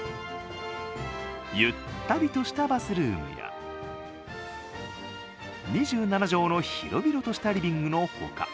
ゆったりとしたバスルームや２７畳の広々としたリビングの他